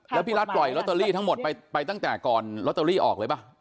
แล้วพี่รัฐปล่อยลอตเตอรี่ทั้งหมดไปตั้งแต่ก่อนลอตเตอรี่ออกเลยป่ะ